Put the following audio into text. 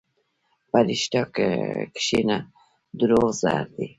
په رښتیا کښېنه، دروغ زهر دي.